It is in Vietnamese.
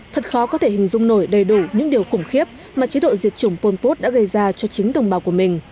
thật khó có thể hình dung nổi đầy đủ những điều khủng khiếp mà chế độ diệt chủng pol pot đã gây ra cho chính đồng bào của mình